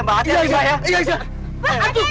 mbak ada nih mbak